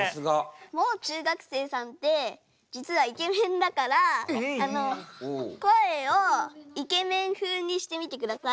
もう中学生さんって実はイケメンだから声をイケメン風にしてみてください。